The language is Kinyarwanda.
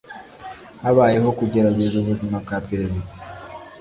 Habayeho kugerageza ubuzima bwa perezida.